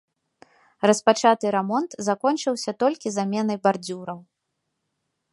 Распачаты рамонт закончыўся толькі заменай бардзюраў.